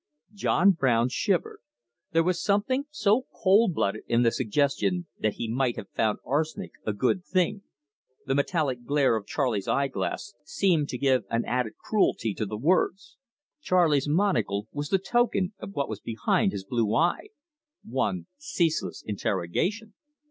John Brown shivered there was something so cold blooded in the suggestion that he might have found arsenic a good thing. The metallic glare of Charley's eye glass seemed to give an added cruelty to the words. Charley's monocle was the token of what was behind his blue eye one ceaseless interrogation.